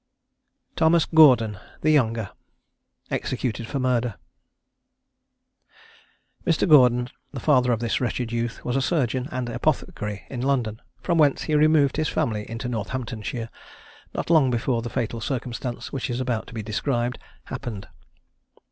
THOMAS GORDON, THE YOUNGER. EXECUTED FOR MURDER. Mr. Gordon, the father of this wretched youth, was a surgeon and apothecary in London, from whence he removed his family into Northamptonshire not long before the fatal circumstance, which is about to be described, happened.